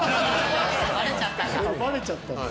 バレちゃったんですか。